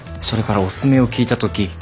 それからお薦めを聞いたとき。